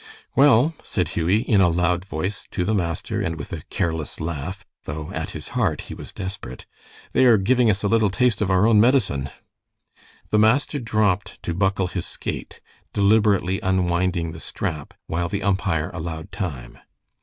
"Well," said Hughie, in a loud voice, to the master, and with a careless laugh, though at his heart he was desperate, "they are giving us a little taste of our own medicine." The master dropped to buckle his skate, deliberately unwinding the strap, while the umpire allowed time.